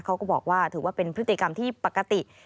เขาก็บอกว่าถือว่าเป็นพฤติกรรมที่ปกติ